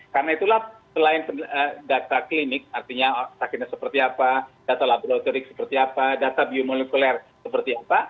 karena itulah selain data klinik artinya sakitnya seperti apa data laboratorik seperti apa data biomolekuler seperti apa